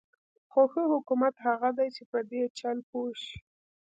خو ښه حکومت هغه دی چې په دې چل پوه شي.